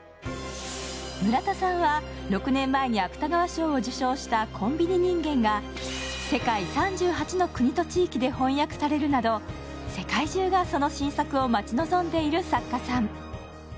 村田さんは６年前に芥川賞を受賞した「コンビニ人間」が世界３８の国と地域で翻訳されるなど世界中がその新作を待ち望んでいる作家さん。